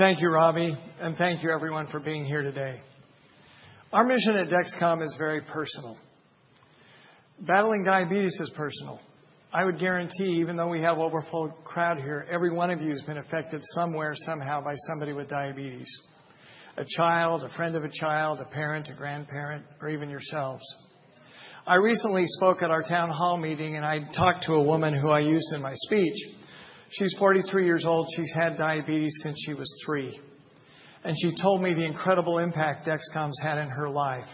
Thank you, Robbie, and thank you, everyone, for being here today. Our mission at Dexcom is very personal. Battling diabetes is personal. I would guarantee, even though we have overflow crowd here, every one of you has been affected somewhere, somehow, by somebody with diabetes. A child, a friend of a child, a parent, a grandparent, or even yourselves. I recently spoke at our town hall meeting, and I talked to a woman who I used in my speech. She's 43 years old. She's had diabetes since she was three. And she told me the incredible impact Dexcom's had in her life.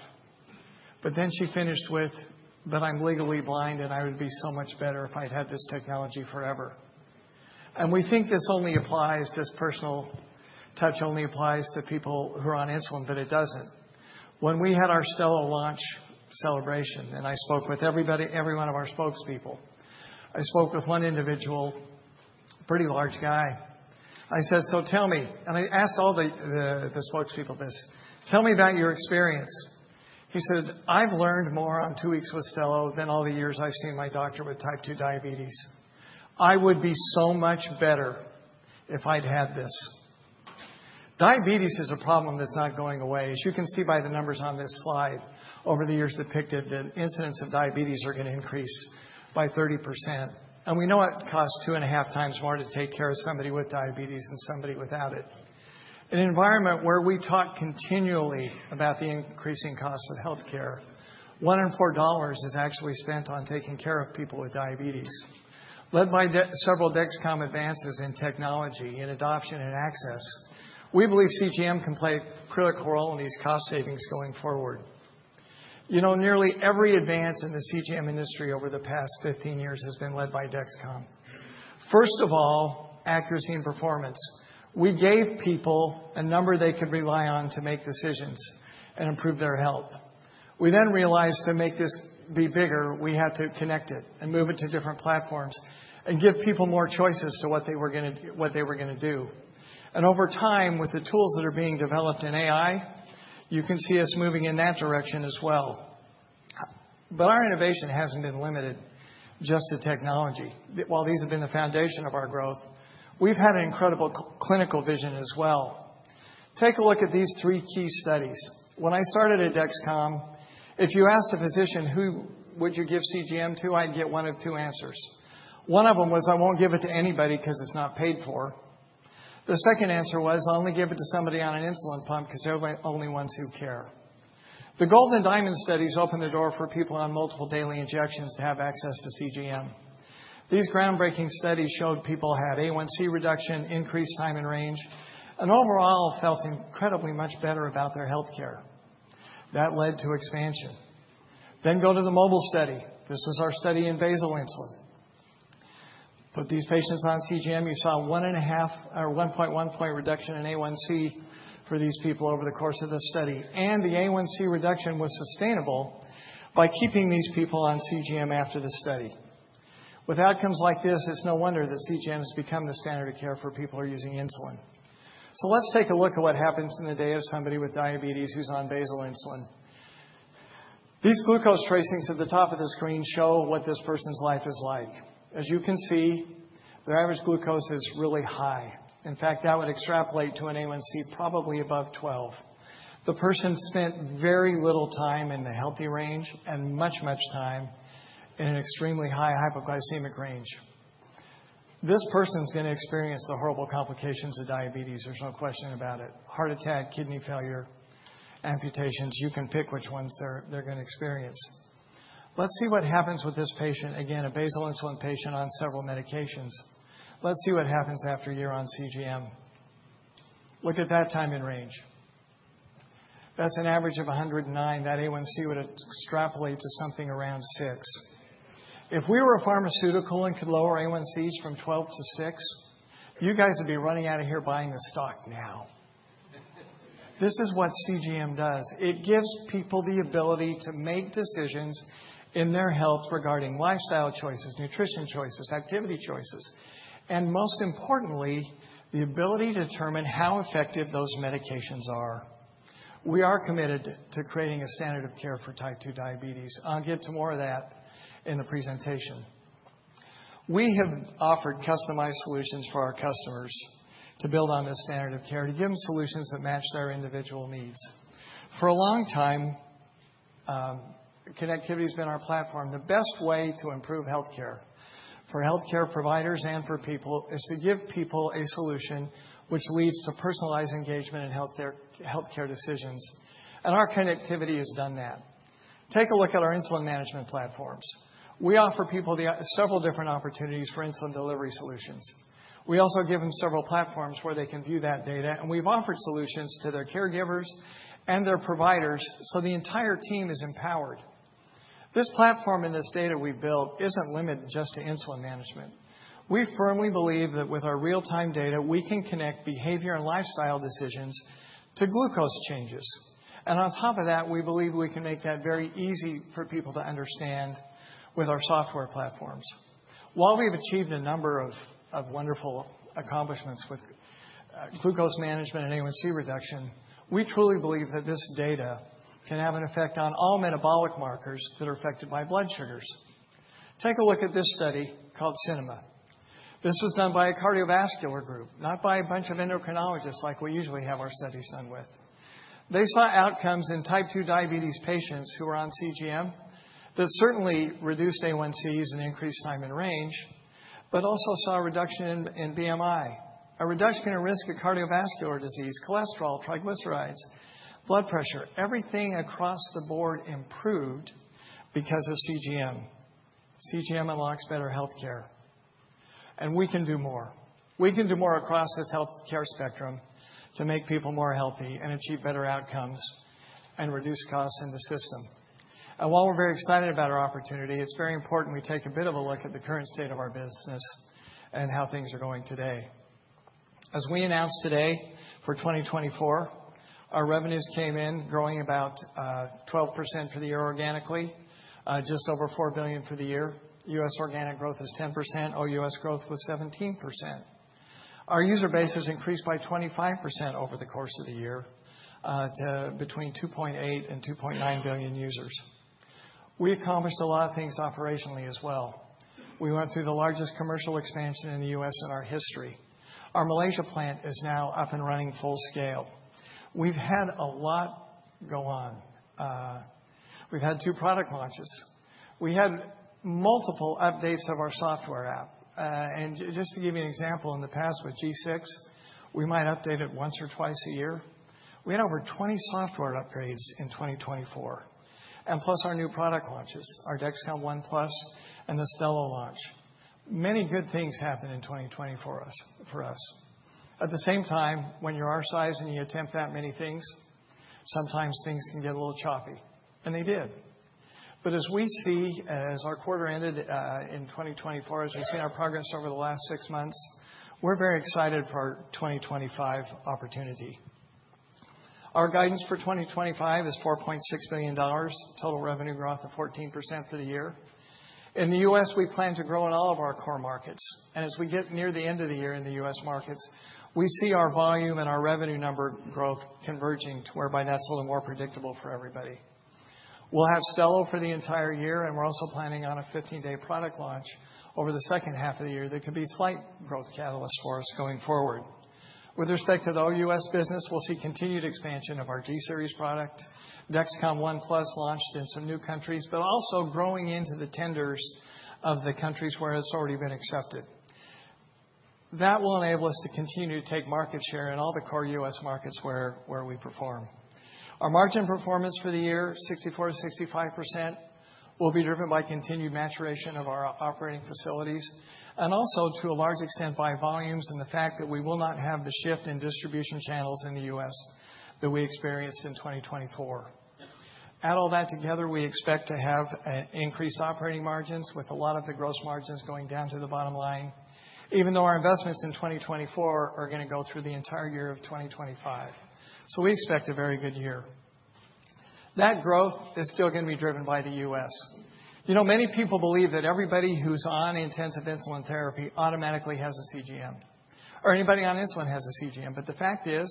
But then she finished with, "But I'm legally blind, and I would be so much better if I'd had this technology forever." And we think this only applies, this personal touch only applies to people who are on insulin, but it doesn't. When we had our Stelo launch celebration, and I spoke with everybody, every one of our spokespeople, I spoke with one individual, a pretty large guy. I said, "So tell me," and I asked all the spokespeople this, "Tell me about your experience." He said, "I've learned more on two weeks with Stelo than all the years I've seen my doctor with Type 2 diabetes. I would be so much better if I'd had this." Diabetes is a problem that's not going away. As you can see by the numbers on this slide, over the years depicted, the incidence of diabetes is going to increase by 30%. We know it costs two and a half times more to take care of somebody with diabetes than somebody without it. In an environment where we talk continually about the increasing costs of health care, $1 and $4 is actually spent on taking care of people with diabetes. Led by several Dexcom advances in technology, in adoption, and access, we believe CGM can play a critical role in these cost savings going forward. You know, nearly every advance in the CGM industry over the past 15 years has been led by Dexcom. First of all, accuracy and performance. We gave people a number they could rely on to make decisions and improve their health. We then realized to make this be bigger, we had to connect it and move it to different platforms and give people more choices to what they were going to do. And over time, with the tools that are being developed in AI, you can see us moving in that direction as well. But our innovation hasn't been limited just to technology. While these have been the foundation of our growth, we've had an incredible clinical vision as well. Take a look at these three key studies. When I started at Dexcom, if you asked a physician, "Who would you give CGM to?" I'd get one of two answers. One of them was, "I won't give it to anybody because it's not paid for." The second answer was, "I'll only give it to somebody on an insulin pump because they're the only ones who care." The GOLD and DIAMOND studies opened the door for people on multiple daily injections to have access to CGM. These groundbreaking studies showed people had A1C reduction, increased time in range, and overall felt incredibly much better about their health care. That led to expansion. Then go to the MOBILE study. This was our study in basal insulin. Put these patients on CGM. You saw a 1.1 point reduction in A1C for these people over the course of the study. And the A1C reduction was sustainable by keeping these people on CGM after the study. With outcomes like this, it's no wonder that CGM has become the standard of care for people who are using insulin. So let's take a look at what happens in a day of somebody with diabetes who's on basal insulin. These glucose tracings at the top of the screen show what this person's life is like. As you can see, their average glucose is really high. In fact, that would extrapolate to an A1C probably above 12. The person spent very little time in the healthy range and much, much time in an extremely high hyperglycemic range. This person's going to experience the horrible complications of diabetes. There's no question about it. Heart attack, kidney failure, amputations. You can pick which ones they're going to experience. Let's see what happens with this patient, again, a basal insulin patient on several medications. Let's see what happens after a year on CGM. Look at that Time in Range. That's an average of 109. That A1C would extrapolate to something around 6. If we were a pharmaceutical and could lower A1Cs from 12-6, you guys would be running out of here buying the stock now. This is what CGM does. It gives people the ability to make decisions in their health regarding lifestyle choices, nutrition choices, activity choices, and most importantly, the ability to determine how effective those medications are. We are committed to creating a standard of care for Type 2 diabetes. I'll get to more of that in the presentation. We have offered customized solutions for our customers to build on this standard of care, to give them solutions that match their individual needs. For a long time, connectivity has been our platform. The best way to improve health care for health care providers and for people is to give people a solution which leads to personalized engagement in health care decisions, and our connectivity has done that. Take a look at our insulin management platforms. We offer people several different opportunities for insulin delivery solutions. We also give them several platforms where they can view that data, and we've offered solutions to their caregivers and their providers, so the entire team is empowered. This platform and this data we've built isn't limited just to insulin management. We firmly believe that with our real-time data, we can connect behavior and lifestyle decisions to glucose changes. On top of that, we believe we can make that very easy for people to understand with our software platforms. While we've achieved a number of wonderful accomplishments with glucose management and A1C reduction, we truly believe that this data can have an effect on all metabolic markers that are affected by blood sugars. Take a look at this study called CINEMA. This was done by a cardiovascular group, not by a bunch of endocrinologists like we usually have our studies done with. They saw outcomes in Type 2 diabetes patients who were on CGM that certainly reduced A1Cs and increased time in range, but also saw a reduction in BMI, a reduction in risk of cardiovascular disease, cholesterol, triglycerides, blood pressure. Everything across the board improved because of CGM. CGM unlocks better health care. We can do more. We can do more across this healthcare spectrum to make people more healthy and achieve better outcomes and reduce costs in the system. And while we're very excited about our opportunity, it's very important we take a bit of a look at the current state of our business and how things are going today. As we announced today for 2024, our revenues came in, growing about 12% for the year organically, just over $4 billion for the year. US organic growth is 10%. OUS growth was 17%. Our user base has increased by 25% over the course of the year to between 2.8 and 2.9 million users. We accomplished a lot of things operationally as well. We went through the largest commercial expansion in the U.S. in our history. Our Malaysia plant is now up and running full scale. We've had a lot go on. We've had two product launches. We had multiple updates of our software app. And just to give you an example, in the past with G6, we might update it once or twice a year. We had over 20 software upgrades in 2024, and plus our new product launches, our Dexcom ONE+ and the Stelo launch. Many good things happened in 2024 for us. At the same time, when you're our size and you attempt that many things, sometimes things can get a little choppy. And they did. But as we see, as our quarter ended in 2024, as we've seen our progress over the last six months, we're very excited for our 2025 opportunity. Our guidance for 2025 is $4.6 billion, total revenue growth of 14% for the year. In the U.S., we plan to grow in all of our core markets. As we get near the end of the year in the U.S. markets, we see our volume and our revenue number growth converging to whereby that's a little more predictable for everybody. We'll have Stelo for the entire year, and we're also planning on a 15-day product launch over the second half of the year that could be a slight growth catalyst for us going forward. With respect to the OUS business, we'll see continued expansion of our G-series product, Dexcom ONE+ launched in some new countries, but also growing into the tenders of the countries where it's already been accepted. That will enable us to continue to take market share in all the core U.S. markets where we perform. Our margin performance for the year, 64%-65%, will be driven by continued maturation of our operating facilities and also to a large extent by volumes and the fact that we will not have the shift in distribution channels in the U.S. that we experienced in 2024. Add all that together, we expect to have increased operating margins with a lot of the gross margins going down to the bottom line, even though our investments in 2024 are going to go through the entire year of 2025. So we expect a very good year. That growth is still going to be driven by the U.S. You know, many people believe that everybody who's on intensive insulin therapy automatically has a CGM, or anybody on insulin has a CGM. But the fact is,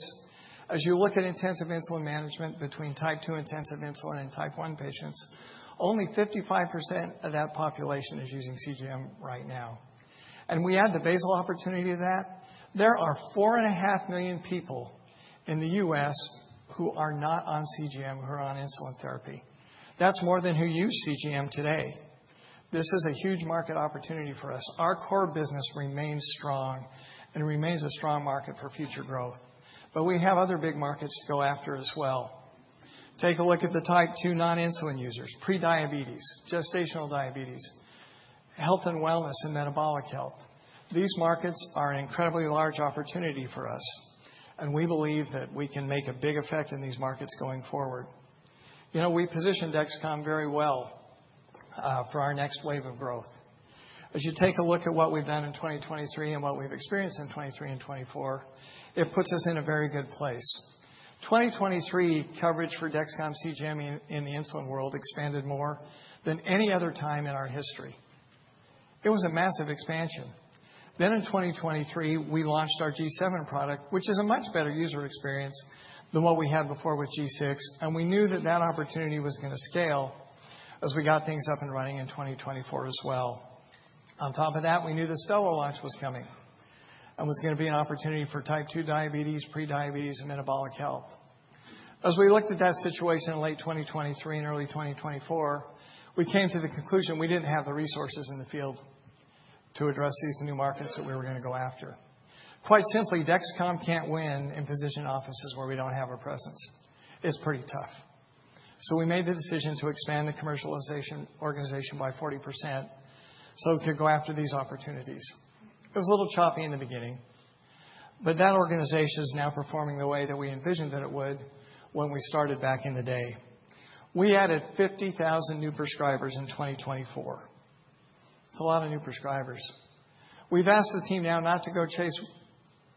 as you look at intensive insulin management between Type 2 intensive insulin and Type 1 patients, only 55% of that population is using CGM right now. And we add the basal opportunity to that. There are 4.5 million people in the U.S. who are not on CGM, who are on insulin therapy. That's more than who use CGM today. This is a huge market opportunity for us. Our core business remains strong and remains a strong market for future growth. But we have other big markets to go after as well. Take a look at the Type 2 non-insulin users, pre-diabetes, gestational diabetes, health and wellness, and metabolic health. These markets are an incredibly large opportunity for us, and we believe that we can make a big effect in these markets going forward. You know, we position Dexcom very well for our next wave of growth. As you take a look at what we've done in 2023 and what we've experienced in 2023 and 2024, it puts us in a very good place. 2023 coverage for Dexcom CGM in the insulin world expanded more than any other time in our history. It was a massive expansion. Then in 2023, we launched our G7 product, which is a much better user experience than what we had before with G6. And we knew that that opportunity was going to scale as we got things up and running in 2024 as well. On top of that, we knew the Stelo launch was coming and was going to be an opportunity for type 2 diabetes, pre-diabetes, and metabolic health. As we looked at that situation in late 2023 and early 2024, we came to the conclusion we didn't have the resources in the field to address these new markets that we were going to go after. Quite simply, Dexcom can't win in physician offices where we don't have a presence. It's pretty tough. So we made the decision to expand the commercialization organization by 40% so we could go after these opportunities. It was a little choppy in the beginning, but that organization is now performing the way that we envisioned that it would when we started back in the day. We added 50,000 new prescribers in 2024. It's a lot of new prescribers. We've asked the team now not to go chase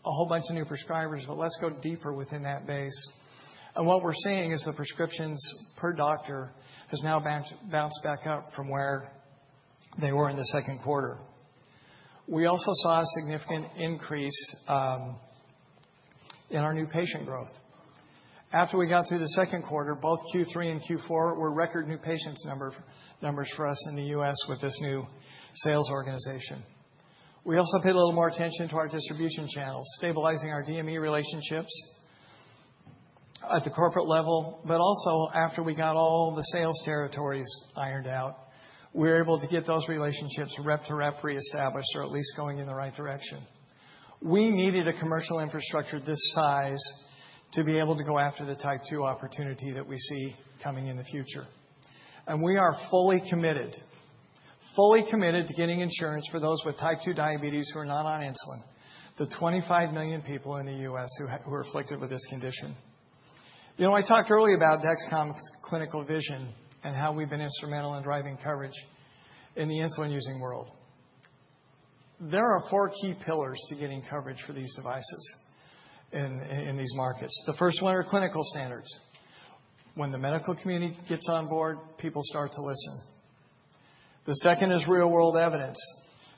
a whole bunch of new prescribers, but let's go deeper within that base. What we're seeing is the prescriptions per doctor has now bounced back up from where they were in the second quarter. We also saw a significant increase in our new patient growth. After we got through the second quarter, both Q3 and Q4 were record new patients numbers for us in the U.S. with this new sales organization. We also paid a little more attention to our distribution channels, stabilizing our DME relationships at the corporate level, but also after we got all the sales territories ironed out, we were able to get those relationships rep to rep reestablished or at least going in the right direction. We needed a commercial infrastructure this size to be able to go after the Type 2 opportunity that we see coming in the future. We are fully committed, fully committed to getting insurance for those with type 2 diabetes who are not on insulin, the 25 million people in the U.S. who are afflicted with this condition. You know, I talked earlier about Dexcom's clinical vision and how we've been instrumental in driving coverage in the insulin-using world. There are four key pillars to getting coverage for these devices in these markets. The first one are clinical standards. When the medical community gets on board, people start to listen. The second is real-world evidence.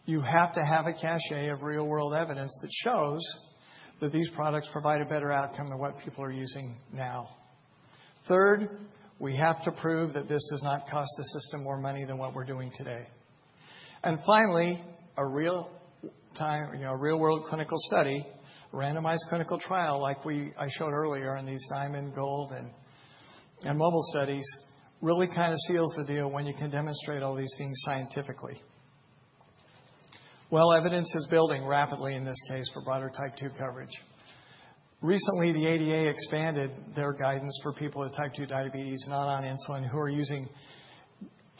You have to have a cachet of real-world evidence that shows that these products provide a better outcome than what people are using now. Third, we have to prove that this does not cost the system more money than what we're doing today. Finally, a real-time real-world clinical study, randomized clinical trial, like I showed earlier in these Diamond, Gold, and Mobile studies, really kind of seals the deal when you can demonstrate all these things scientifically. Evidence is building rapidly in this case for broader Type 2 coverage. Recently, the ADA expanded their guidance for people with Type 2 diabetes not on insulin who are using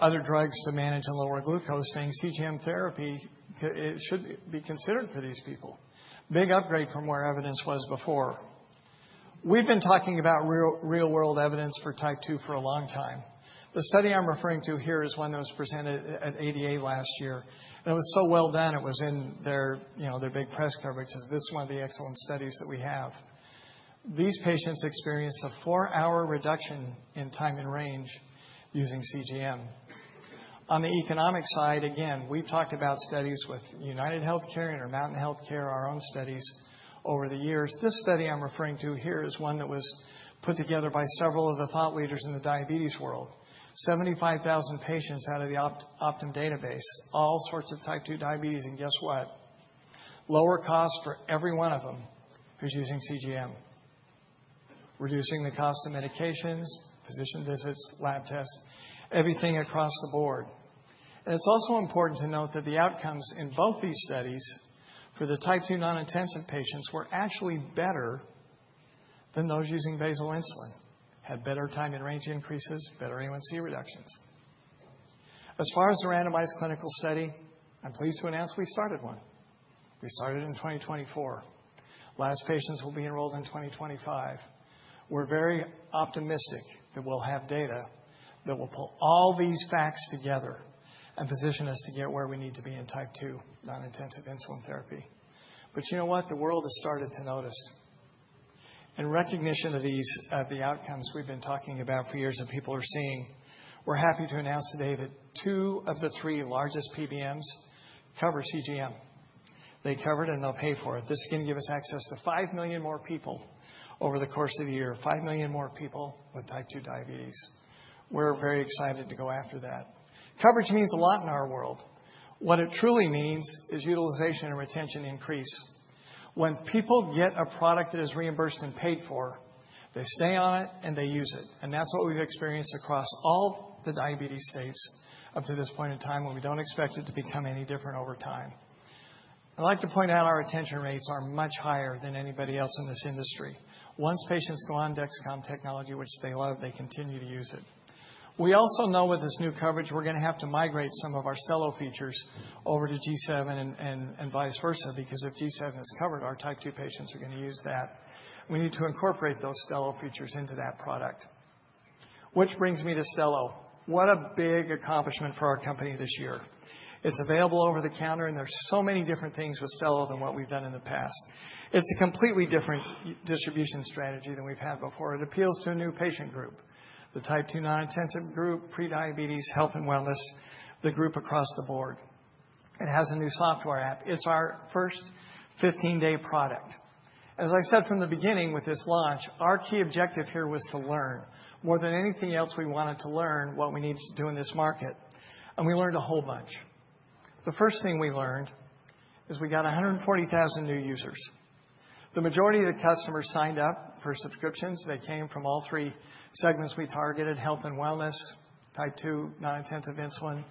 other drugs to manage and lower glucose, saying CGM therapy should be considered for these people. Big upgrade from where evidence was before. We've been talking about real-world evidence for Type 2 for a long time. The study I'm referring to here is one that was presented at ADA last year. It was so well done, it was in their big press coverage. This is one of the excellent studies that we have. These patients experienced a four-hour reduction in Time in Range using CGM. On the economic side, again, we've talked about studies with UnitedHealthcare and Intermountain Health, our own studies over the years. This study I'm referring to here is one that was put together by several of the thought leaders in the diabetes world. 75,000 patients out of the Optum database, all sorts of Type 2 diabetes, and guess what? Lower cost for every one of them who's using CGM, reducing the cost of medications, physician visits, lab tests, everything across the board, and it's also important to note that the outcomes in both these studies for the Type 2 non-intensive patients were actually better than those using basal insulin, had better Time in Range increases, better A1C reductions. As far as the randomized clinical study, I'm pleased to announce we started one. We started in 2024. Last patients will be enrolled in 2025. We're very optimistic that we'll have data that will pull all these facts together and position us to get where we need to be in Type 2 non-intensive insulin therapy. But you know what? The world has started to notice. In recognition of the outcomes we've been talking about for years and people are seeing, we're happy to announce today that two of the three largest PBMs cover CGM. They cover it and they'll pay for it. This is going to give us access to 5 million more people over the course of the year, 5 million more people with Type 2 diabetes. We're very excited to go after that. Coverage means a lot in our world. What it truly means is utilization and retention increase. When people get a product that is reimbursed and paid for, they stay on it and they use it. And that's what we've experienced across all the diabetes states up to this point in time when we don't expect it to become any different over time. I'd like to point out our retention rates are much higher than anybody else in this industry. Once patients go on Dexcom technology, which they love, they continue to use it. We also know with this new coverage, we're going to have to migrate some of our Stelo features over to G7 and vice versa because if G7 is covered, our Type 2 patients are going to use that. We need to incorporate those Stelo features into that product. Which brings me to Stelo. What a big accomplishment for our company this year. It's available over the counter and there's so many different things with Stelo than what we've done in the past. It's a completely different distribution strategy than we've had before. It appeals to a new patient group, the Type 2 non-insulin group, pre-diabetes, health and wellness, the group across the board. It has a new software app. It's our first 15-day product. As I said from the beginning with this launch, our key objective here was to learn more than anything else. We wanted to learn what we needed to do in this market. And we learned a whole bunch. The first thing we learned is we got 140,000 new users. The majority of the customers signed up for subscriptions. They came from all three segments we targeted: health and wellness, Type 2 non-insulin,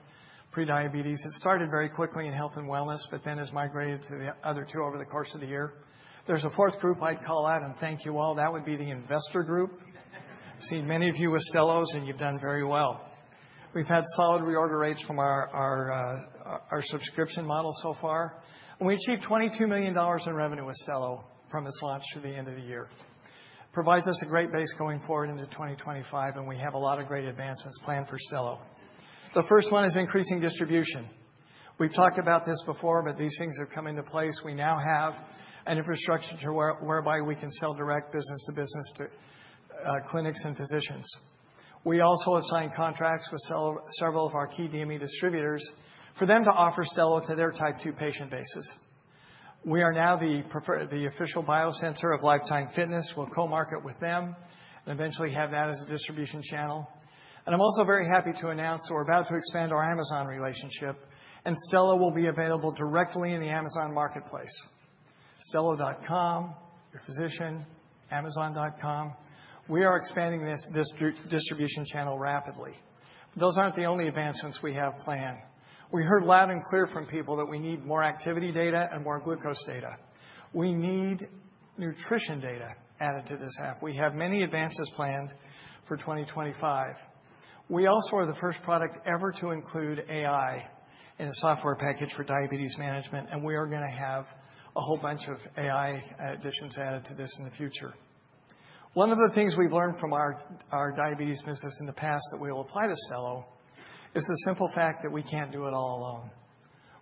pre-diabetes. It started very quickly in health and wellness, but then has migrated to the other two over the course of the year. There's a fourth group I'd call out and thank you all. That would be the investor group. I've seen many of you with Stelos and you've done very well. We've had solid reorder rates from our subscription model so far, and we achieved $22 million in revenue with Stelo from its launch through the end of the year. It provides us a great base going forward into 2025 and we have a lot of great advancements planned for Stelo. The first one is increasing distribution. We've talked about this before, but these things have come into place. We now have an infrastructure whereby we can sell direct business to business to clinics and physicians. We also have signed contracts with several of our key DME distributors for them to offer Stelo to their Type 2 patient bases. We are now the official biosensor of Life Time. We'll co-market with them and eventually have that as a distribution channel. And I'm also very happy to announce that we're about to expand our Amazon relationship and Stelo will be available directly in the Amazon marketplace. Stelo.com, your physician, Amazon.com. We are expanding this distribution channel rapidly. Those aren't the only advancements we have planned. We heard loud and clear from people that we need more activity data and more glucose data. We need nutrition data added to this app. We have many advances planned for 2025. We also are the first product ever to include AI in a software package for diabetes management, and we are going to have a whole bunch of AI additions added to this in the future. One of the things we've learned from our diabetes business in the past that we will apply to Stelo is the simple fact that we can't do it all alone.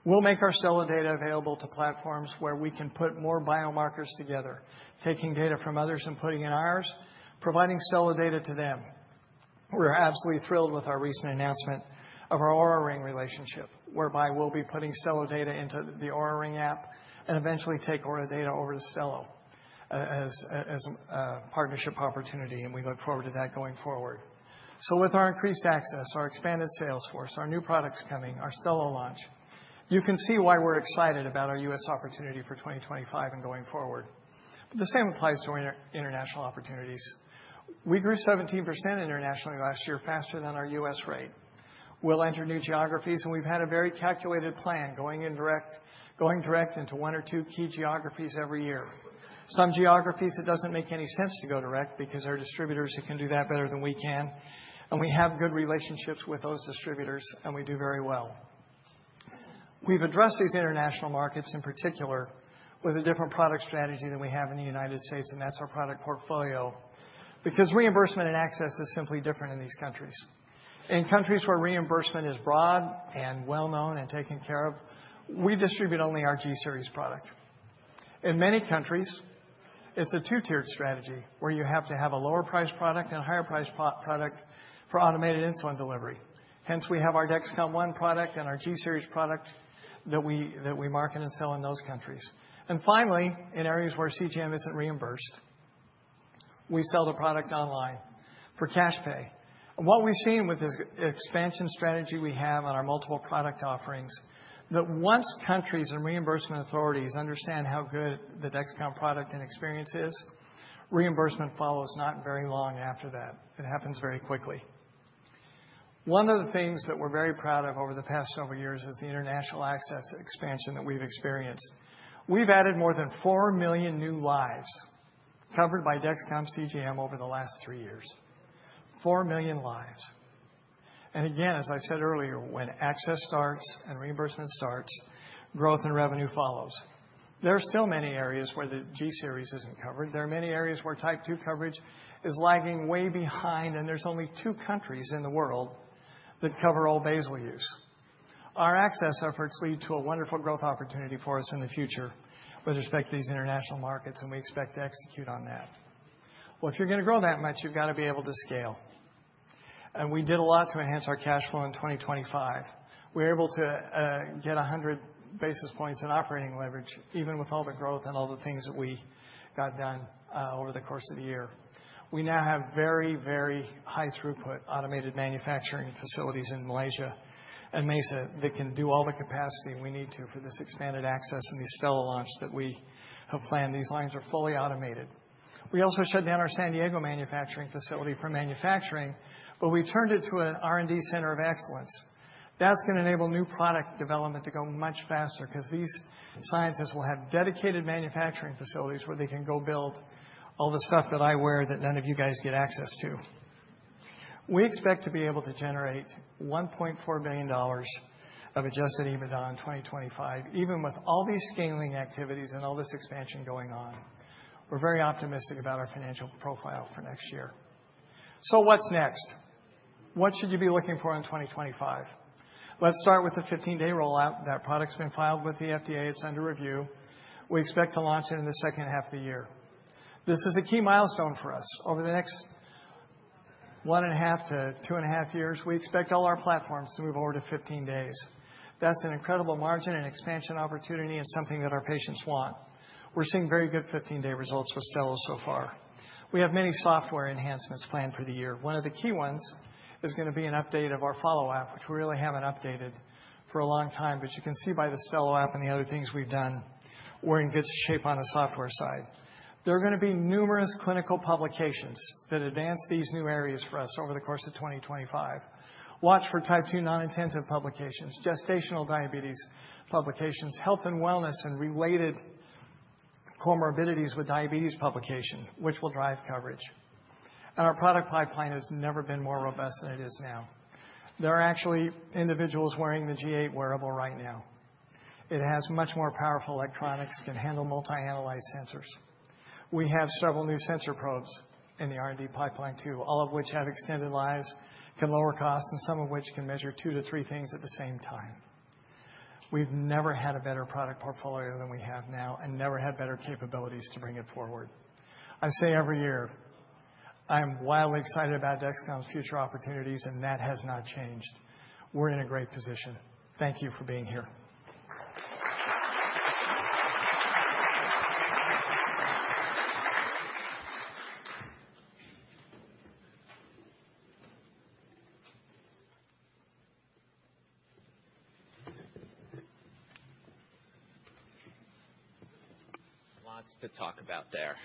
We'll make our Stelo data available to platforms where we can put more biomarkers together, taking data from others and putting in ours, providing Stelo data to them. We're absolutely thrilled with our recent announcement of our Oura Ring relationship, whereby we'll be putting Stelo data into the Oura Ring app and eventually take Oura data over to Stelo as a partnership opportunity. And we look forward to that going forward. So with our increased access, our expanded salesforce, our new products coming, our Stelo launch, you can see why we're excited about our U.S. opportunity for 2025 and going forward. But the same applies to international opportunities. We grew 17% internationally last year, faster than our U.S. rate. We'll enter new geographies, and we've had a very calculated plan going direct into one or two key geographies every year. Some geographies, it doesn't make any sense to go direct because our distributors can do that better than we can. And we have good relationships with those distributors, and we do very well. We've addressed these international markets in particular with a different product strategy than we have in the United States, and that's our product portfolio because reimbursement and access is simply different in these countries. In countries where reimbursement is broad and well-known and taken care of, we distribute only our G-series product. In many countries, it's a two-tiered strategy where you have to have a lower-priced product and a higher-priced product for automated insulin delivery. Hence, we have our Dexcom ONE product and our G-series product that we market and sell in those countries. And finally, in areas where CGM isn't reimbursed, we sell the product online for cash pay. And what we've seen with this expansion strategy we have on our multiple product offerings, that once countries and reimbursement authorities understand how good the Dexcom product and experience is, reimbursement follows not very long after that. It happens very quickly. One of the things that we're very proud of over the past several years is the international access expansion that we've experienced. We've added more than 4 million new lives covered by Dexcom CGM over the last three years. 4 million lives. And again, as I've said earlier, when access starts and reimbursement starts, growth and revenue follows. There are still many areas where the G-series isn't covered. There are many areas where Type 2 coverage is lagging way behind, and there's only two countries in the world that cover all basal use. Our access efforts lead to a wonderful growth opportunity for us in the future with respect to these international markets, and we expect to execute on that. Well, if you're going to grow that much, you've got to be able to scale. And we did a lot to enhance our cash flow in 2025. We were able to get 100 basis points in operating leverage, even with all the growth and all the things that we got done over the course of the year. We now have very, very high throughput automated manufacturing facilities in Malaysia and Mesa that can do all the capacity we need to for this expanded access and the Stelo launch that we have planned. These lines are fully automated. We also shut down our San Diego manufacturing facility for manufacturing, but we turned it to an R&D center of excellence. That's going to enable new product development to go much faster because these scientists will have dedicated manufacturing facilities where they can go build all the stuff that I wear that none of you guys get access to. We expect to be able to generate $1.4 billion of Adjusted EBITDA in 2025, even with all these scaling activities and all this expansion going on. We're very optimistic about our financial profile for next year. So what's next? What should you be looking for in 2025? Let's start with the 15-day rollout. That product's been filed with the FDA. It's under review. We expect to launch it in the second half of the year. This is a key milestone for us. Over the next one and a half to two and a half years, we expect all our platforms to move over to 15 days. That's an incredible margin and expansion opportunity and something that our patients want. We're seeing very good 15-day results with Stelo so far. We have many software enhancements planned for the year. One of the key ones is going to be an update of our Follow, which we really haven't updated for a long time. But you can see by the Stelo app and the other things we've done, we're in good shape on the software side. There are going to be numerous clinical publications that advance these new areas for us over the course of 2025. Watch for Type 2 non-insulin publications, gestational diabetes publications, health and wellness, and related comorbidities with diabetes publication, which will drive coverage. And our product pipeline has never been more robust than it is now. There are actually individuals wearing the G8 wearable right now. It has much more powerful electronics, can handle multi-analyte sensors. We have several new sensor probes in the R&D pipeline too, all of which have extended lives, can lower costs, and some of which can measure two to three things at the same time. We've never had a better product portfolio than we have now and never had better capabilities to bring it forward. I say every year, I'm wildly excited about Dexcom's future opportunities, and that has not changed. We're in a great position. Thank you for being here. Lots to talk about there.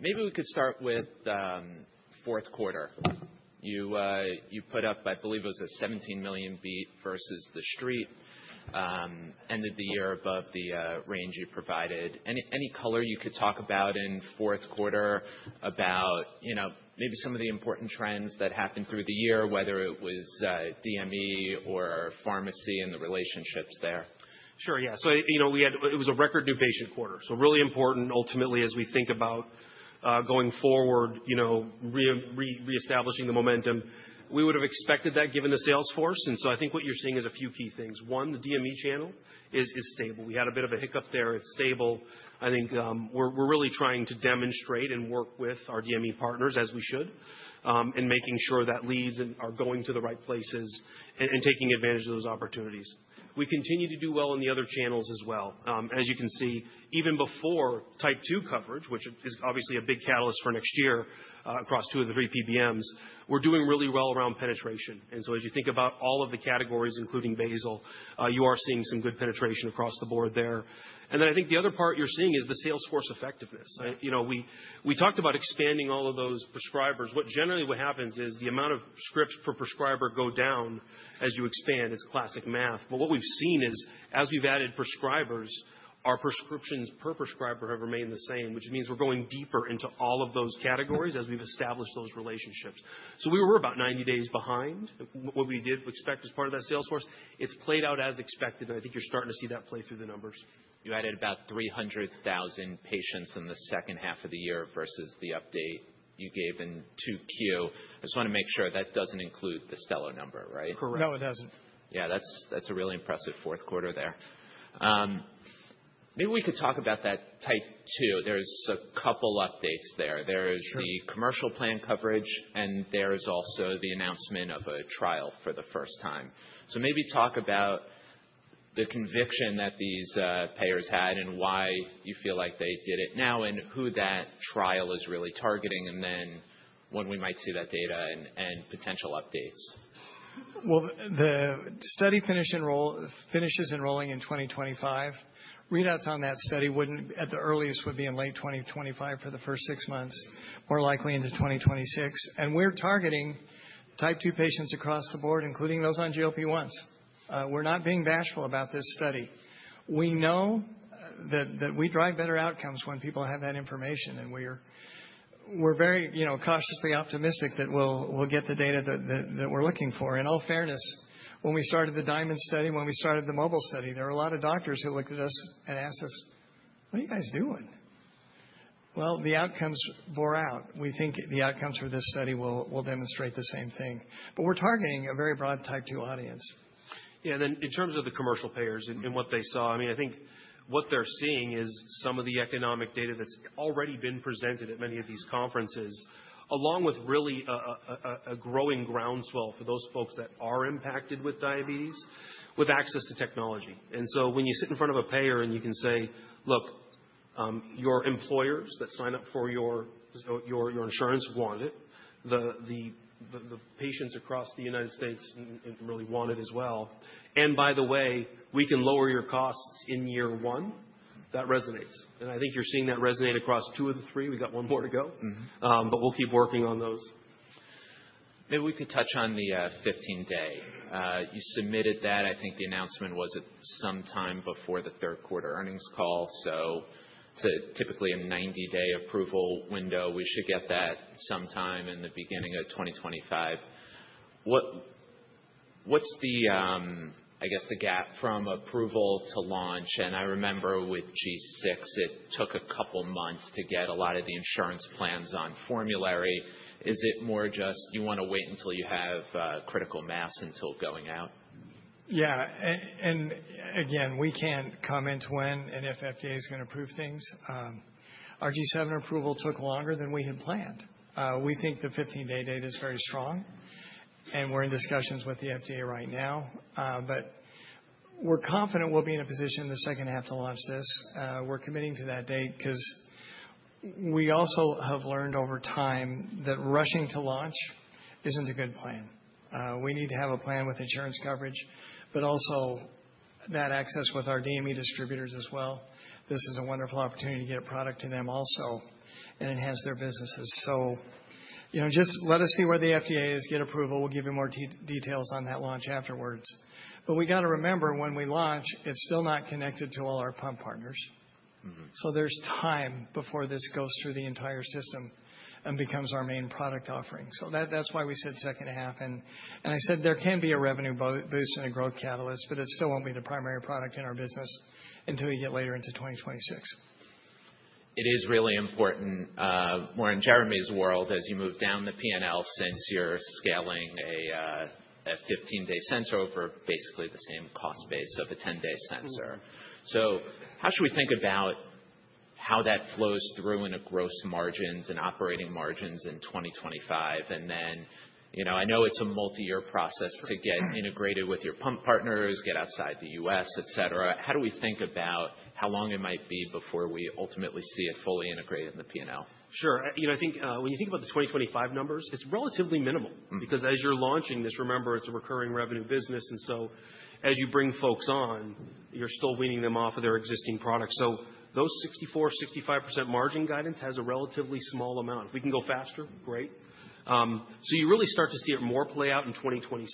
Maybe we could start with fourth quarter. You put up, I believe it was a $17 million beat versus the street, end of the year above the range you provided. Any color you could talk about in fourth quarter about maybe some of the important trends that happened through the year, whether it was DME or pharmacy and the relationships there? Sure, yeah. So it was a record new patient quarter. So really important, ultimately, as we think about going forward, reestablishing the momentum. We would have expected that given the salesforce. And so I think what you're seeing is a few key things. One, the DME channel is stable. We had a bit of a hiccup there. It's stable. I think we're really trying to demonstrate and work with our DME partners, as we should, and making sure that leads are going to the right places and taking advantage of those opportunities. We continue to do well on the other channels as well. As you can see, even before type 2 coverage, which is obviously a big catalyst for next year across two of the three PBMs, we're doing really well around penetration. And so as you think about all of the categories, including basal, you are seeing some good penetration across the board there. And then I think the other part you're seeing is the salesforce effectiveness. We talked about expanding all of those prescribers. What generally happens is the amount of scripts per prescriber go down as you expand. It's classic math. But what we've seen is as we've added prescribers, our prescriptions per prescriber have remained the same, which means we're going deeper into all of those categories as we've established those relationships. So we were about 90 days behind. What we did expect as part of that salesforce. It's played out as expected, and I think you're starting to see that play through the numbers. You added about 300,000 patients in the second half of the year versus the update you gave in Q2. I just want to make sure that doesn't include the Stelo number, right? Correct. No, it doesn't. Yeah, that's a really impressive fourth quarter there. Maybe we could talk about that Type 2. There's a couple updates there. There's the commercial plan coverage, and there's also the announcement of a trial for the first time. So maybe talk about the conviction that these payers had and why you feel like they did it now and who that trial is really targeting, and then when we might see that data and potential updates. The study finishes enrolling in 2025. Read-outs on that study wouldn't, at the earliest, would be in late 2025 for the first six months, more likely into 2026. We're targeting Type 2 patients across the board, including those on GLP-1s. We're not being bashful about this study. We know that we drive better outcomes when people have that information, and we're very cautiously optimistic that we'll get the data that we're looking for. In all fairness, when we started the Diamond study, when we started the Mobile study, there were a lot of doctors who looked at us and asked us, "What are you guys doing?" Well, the outcomes bore out. We think the outcomes for this study will demonstrate the same thing. We're targeting a very broad Type 2 audience. Yeah, and then in terms of the commercial payers and what they saw, I mean, I think what they're seeing is some of the economic data that's already been presented at many of these conferences, along with really a growing groundswell for those folks that are impacted with diabetes, with access to technology. And so when you sit in front of a payer and you can say, "Look, your employers that sign up for your insurance want it. The patients across the United States really want it as well. And by the way, we can lower your costs in year one." That resonates. And I think you're seeing that resonate across two of the three. We've got one more to go, but we'll keep working on those. Maybe we could touch on the 15-day. You submitted that. I think the announcement was at some time before the third quarter earnings call. So typically a 90-day approval window. We should get that sometime in the beginning of 2025. What's the, I guess, the gap from approval to launch? And I remember with G6, it took a couple months to get a lot of the insurance plans on formulary. Is it more just you want to wait until you have critical mass until going out? Yeah. And again, we can't comment when and if FDA is going to approve things. Our G7 approval took longer than we had planned. We think the 15-day date is very strong, and we're in discussions with the FDA right now. But we're confident we'll be in a position in the second half to launch this. We're committing to that date because we also have learned over time that rushing to launch isn't a good plan. We need to have a plan with insurance coverage, but also that access with our DME distributors as well. This is a wonderful opportunity to get a product to them also and enhance their businesses. So just let us see where the FDA is, get approval. We'll give you more details on that launch afterwards. But we got to remember when we launch, it's still not connected to all our pump partners. So there's time before this goes through the entire system and becomes our main product offering. So that's why we said second half. And I said there can be a revenue boost and a growth catalyst, but it still won't be the primary product in our business until you get later into 2026. It is really important, more in Jereme's world, as you move down the P&L since you're scaling a 15-day sensor over basically the same cost base of a 10-day sensor. So how should we think about how that flows through in gross margins and operating margins in 2025? And then I know it's a multi-year process to get integrated with your pump partners, get outside the U.S., etc. How do we think about how long it might be before we ultimately see it fully integrated in the P&L? Sure. I think when you think about the 2025 numbers, it's relatively minimal because as you're launching this, remember, it's a recurring revenue business. And so as you bring folks on, you're still weaning them off of their existing products. So those 64%-65% margin guidance has a relatively small amount. If we can go faster, great. So you really start to see it more play out in 2026.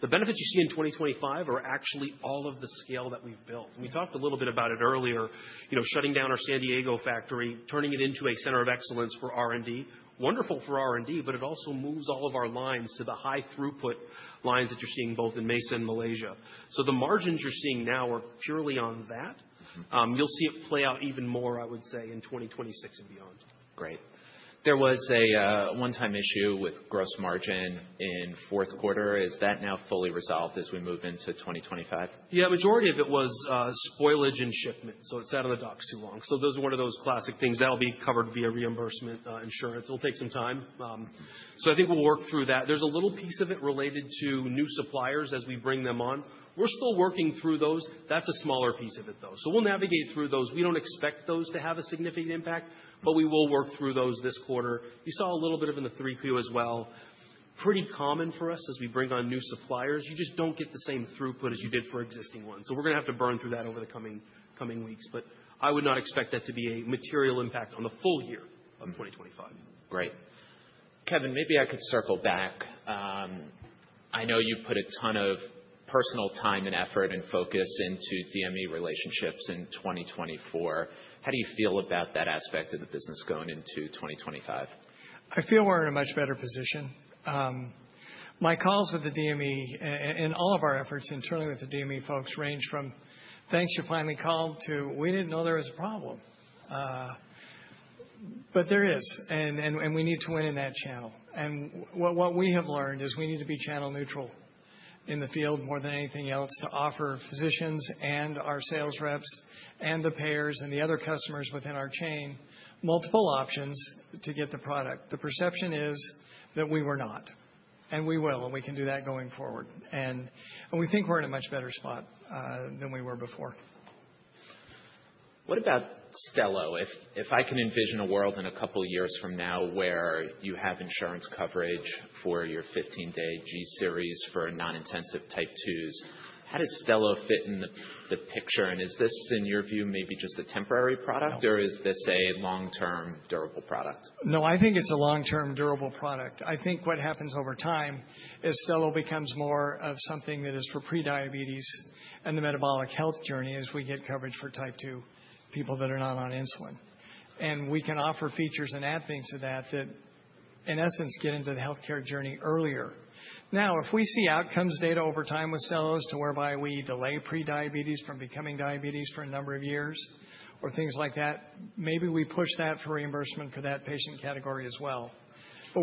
The benefits you see in 2025 are actually all of the scale that we've built. We talked a little bit about it earlier, shutting down our San Diego factory, turning it into a center of excellence for R&D. Wonderful for R&D, but it also moves all of our lines to the high throughput lines that you're seeing both in Mesa and Malaysia. So the margins you're seeing now are purely on that. You'll see it play out even more, I would say, in 2026 and beyond. Great. There was a one-time issue with gross margin in fourth quarter. Is that now fully resolved as we move into 2025? Yeah, majority of it was spoilage and shipment. So it sat on the docks too long. So those are one of those classic things that will be covered via reimbursement insurance. It'll take some time. So I think we'll work through that. There's a little piece of it related to new suppliers as we bring them on. We're still working through those. That's a smaller piece of it, though. So we'll navigate through those. We don't expect those to have a significant impact, but we will work through those this quarter. You saw a little bit of it in the 3Q as well. Pretty common for us as we bring on new suppliers. You just don't get the same throughput as you did for existing ones. So we're going to have to burn through that over the coming weeks. But I would not expect that to be a material impact on the full year of 2025. Great. Kevin, maybe I could circle back. I know you put a ton of personal time and effort and focus into DME relationships in 2024. How do you feel about that aspect of the business going into 2025? I feel we're in a much better position. My calls with the DME and all of our efforts internally with the DME folks range from, "Thanks, you finally called," to, "We didn't know there was a problem." But there is, and we need to win in that channel. And what we have learned is we need to be channel neutral in the field more than anything else to offer physicians and our sales reps and the payers and the other customers within our chain multiple options to get the product. The perception is that we were not, and we will, and we can do that going forward. And we think we're in a much better spot than we were before. What about Stelo? If I can envision a world in a couple of years from now where you have insurance coverage for your 15-day G series for non-intensive Type 2s, how does Stelo fit in the picture? And is this, in your view, maybe just a temporary product, or is this a long-term durable product? No, I think it's a long-term durable product. I think what happens over time is Stelo becomes more of something that is for prediabetes and the metabolic health journey as we get coverage for Type 2 people that are not on insulin, and we can offer features and add things to that that, in essence, get into the healthcare journey earlier. Now, if we see outcomes data over time with Stelo use too, whereby we delay prediabetes from becoming diabetes for a number of years or things like that, but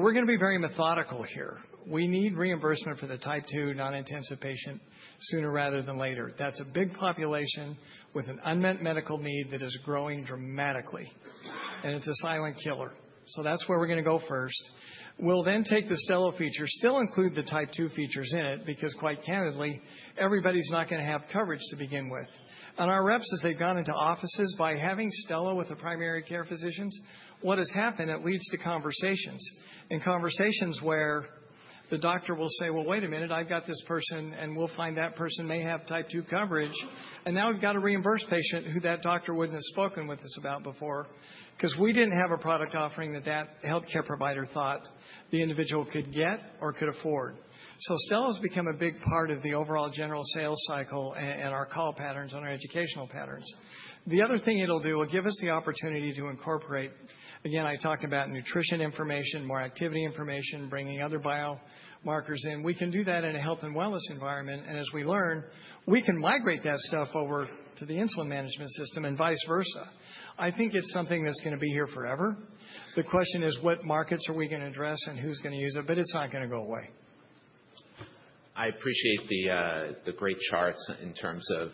we're going to be very methodical here. We need reimbursement for the Type 2 non-intensive patient sooner rather than later. That's a big population with an unmet medical need that is growing dramatically, and it's a silent killer, so that's where we're going to go first. We'll then take the Stelo feature, still include the type 2 features in it, because quite candidly, everybody's not going to have coverage to begin with. And our reps, as they've gone into offices by having Stelo with the primary care physicians, what has happened, it leads to conversations. And conversations where the doctor will say, "Well, wait a minute, I've got this person, and we'll find that person may have type 2 coverage." And now we've got a reimbursed patient who that doctor wouldn't have spoken with us about before because we didn't have a product offering that that healthcare provider thought the individual could get or could afford. So Stelo's become a big part of the overall general sales cycle and our call patterns and our educational patterns. The other thing it'll do will give us the opportunity to incorporate, again, I talked about nutrition information, more activity information, bringing other biomarkers in. We can do that in a health and wellness environment, and as we learn, we can migrate that stuff over to the insulin management system and vice versa. I think it's something that's going to be here forever. The question is, what markets are we going to address and who's going to use it, but it's not going to go away. I appreciate the great charts in terms of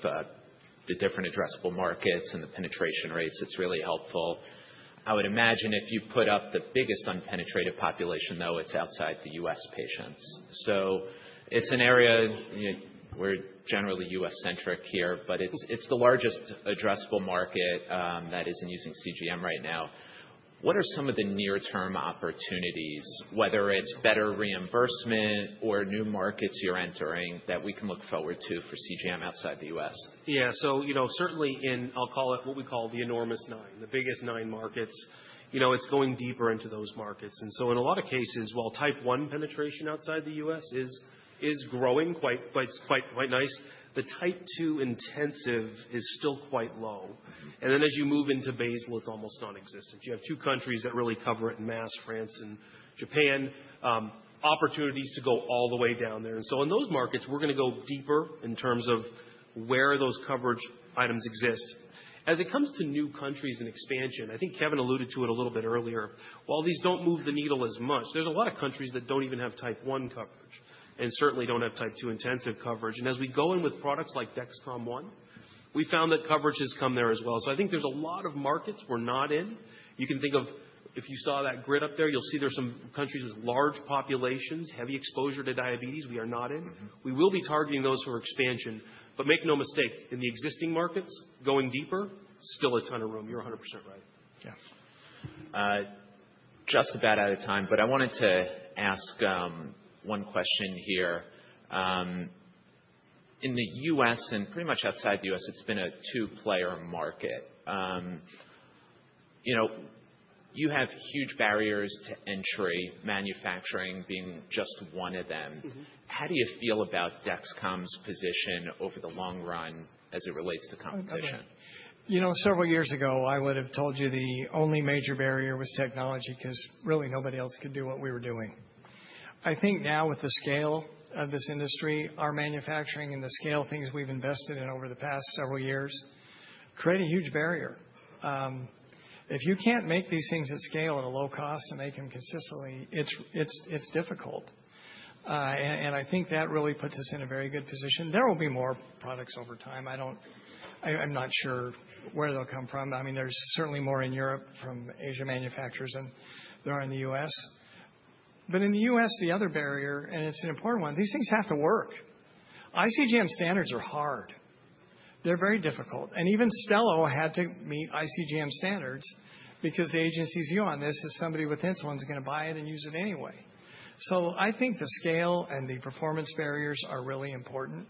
the different addressable markets and the penetration rates. It's really helpful. I would imagine if you put up the biggest unpenetrated population, though, it's outside the U.S. patients. So it's an area where generally U.S.-centric here, but it's the largest addressable market that isn't using CGM right now. What are some of the near-term opportunities, whether it's better reimbursement or new markets you're entering that we can look forward to for CGM outside the U.S.? Yeah, so certainly in, I'll call it what we call the enormous nine, the biggest nine markets, it's going deeper into those markets, and so in a lot of cases, while type 1 penetration outside the U.S. is growing quite nice, the type 2 intensive is still quite low, and then as you move into basal, it's almost nonexistent. You have two countries that really cover it en masse, France and Japan, opportunities to go all the way down there, and so in those markets, we're going to go deeper in terms of where those coverage items exist. As it comes to new countries and expansion, I think Kevin alluded to it a little bit earlier. While these don't move the needle as much, there's a lot of countries that don't even have type 1 coverage and certainly don't have type 2 intensive coverage. And as we go in with products like Dexcom ONE, we found that coverage has come there as well. So I think there's a lot of markets we're not in. You can think of, if you saw that grid up there, you'll see there's some countries with large populations, heavy exposure to diabetes. We are not in. We will be targeting those for expansion. But make no mistake, in the existing markets, going deeper, still a ton of room. You're 100% right. Yeah. Just about out of time, but I wanted to ask one question here. In the U.S. and pretty much outside the U.S., it's been a two-player market. You have huge barriers to entry, manufacturing being just one of them. How do you feel about Dexcom's position over the long run as it relates to competition? You know, several years ago, I would have told you the only major barrier was technology because really nobody else could do what we were doing. I think now with the scale of this industry, our manufacturing and the scale of things we've invested in over the past several years create a huge barrier. If you can't make these things at scale at a low cost and make them consistently, it's difficult, and I think that really puts us in a very good position. There will be more products over time. I'm not sure where they'll come from. I mean, there's certainly more in Europe from Asian manufacturers than there are in the U.S., but in the U.S., the other barrier, and it's an important one, these things have to work. iCGM standards are hard. They're very difficult. Even Stelo had to meet iCGM standards because the agency's view on this is somebody with insulin is going to buy it and use it anyway. I think the scale and the performance barriers are really important.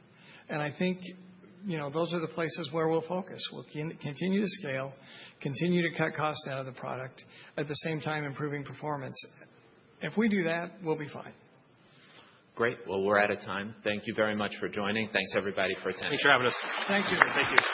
I think those are the places where we'll focus. We'll continue to scale, continue to cut costs out of the product, at the same time improving performance. If we do that, we'll be fine. Great. Well, we're out of time. Thank you very much for joining. Thanks, everybody, for attending. Thanks for having us. Thank you. Thank you.